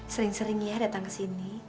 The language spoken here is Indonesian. sering sering ya datang ke sini